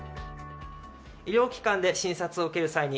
医療機関で診察を受ける際に